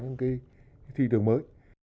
thì thị trường mới